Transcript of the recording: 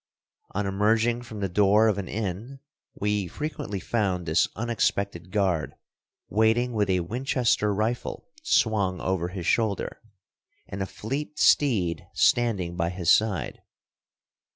On emerging from the door of an inn we frequently found this unexpected guard waiting with a Winchester rifle swung over his shoulder, and a fleet steed standing by his side.